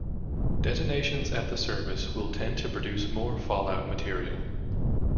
Detonations at the surface will tend to produce more fallout material.